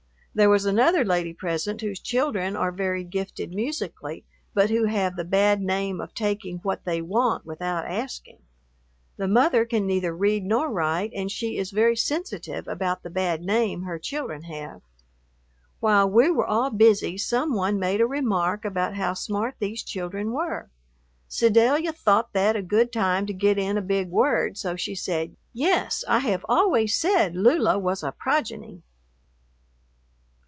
There was another lady present whose children are very gifted musically, but who have the bad name of taking what they want without asking. The mother can neither read nor write, and she is very sensitive about the bad name her children have. While we were all busy some one made a remark about how smart these children were. Sedalia thought that a good time to get in a big word, so she said, "Yes, I have always said Lula was a progeny."